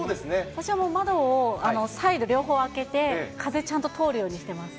私はもう窓をサイド、両方開けて、風ちゃんと通るようにしてます。